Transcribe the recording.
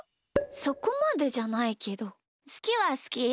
そこまでじゃないけどすきはすき。